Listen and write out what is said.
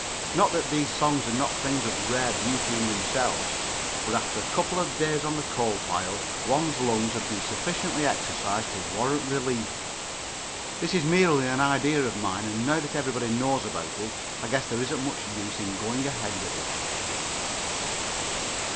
Not that these songs are not things of rare beauty in themselves, but after a day on the coal pile one's lungs have been sufficiently exercised to warrant relief. This is merely an idea of mine, and now that everybody knows about it I guess there isn't much use in going ahead with it.